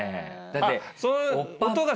だって。